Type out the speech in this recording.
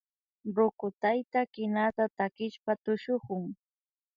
Ruku tayta kinata takishpa tushukun